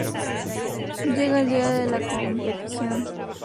Llega el día de la competición.